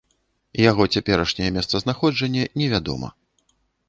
Яго цяперашняе месцазнаходжанне невядома.